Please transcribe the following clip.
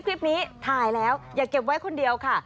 คลิปนี้ถ่ายแล้วอย่าเก็บไว้คนเดียวค่ะ